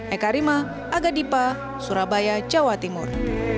eka rima aga dipa surabaya jawa timur